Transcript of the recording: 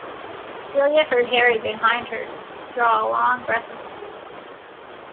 Celia heard Harry behind her draw a long breath of relief.